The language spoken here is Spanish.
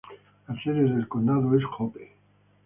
La sede del condado es Hope.